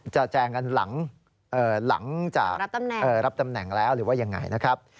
แจงกันหลังจากรับตำแหน่งแล้วหรือว่ายังไงนะครับ